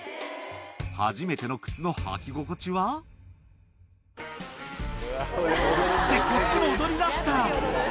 初めての靴の履き心地は？って、こっちも踊りだした。